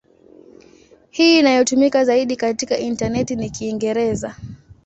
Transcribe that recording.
Hii inayotumika zaidi katika intaneti ni Kiingereza.